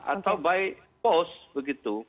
atau baik pos begitu